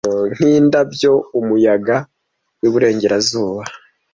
Nkindabyo Umuyaga wiburengerazuba!